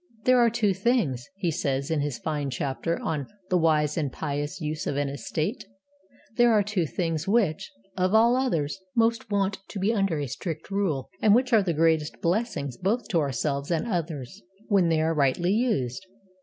'There are two things,' he says in his fine chapter on 'The Wise and Pious Use of an Estate,' 'there are two things which, of all others, most want to be under a strict rule, and which are the greatest blessings both to ourselves and others, when they are rightly used.